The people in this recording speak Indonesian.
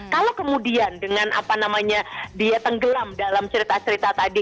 kalau kemudian dengan apa namanya dia tenggelam dalam cerita cerita tadi